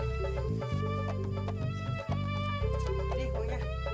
nih ini uangnya